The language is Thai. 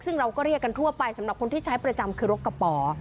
ซึ่งเราก็เรียกกันทั่วไปสำหรับคนที่ใช้ประจำคือรถกระป๋อ